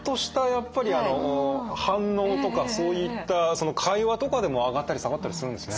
やっぱりあの反応とかそういった会話とかでも上がったり下がったりするんですね。